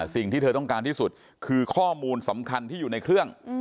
สิ่งที่เธอต้องการที่สุดคือข้อมูลสำคัญที่อยู่ในเครื่อง